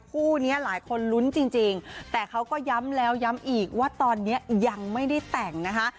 คู่นี้หลายคนลุ้นจริงแต่เขาก็ย้ำแล้วย้ำอีกว่าตอนนี้ยังไม่ได้แต่งนะคะ